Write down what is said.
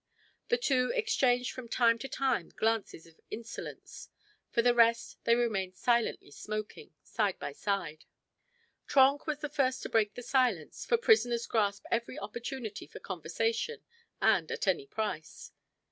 The two exchanged from time to time glances of insolence; for the rest, they remained silently smoking, side by side. Trenck was the first to break the silence, for prisoners grasp every opportunity for conversation, and at any price.